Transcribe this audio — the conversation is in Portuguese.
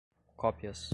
cópias